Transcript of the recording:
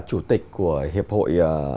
chủ tịch của hiệp hội